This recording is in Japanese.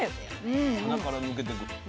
鼻から抜けてく。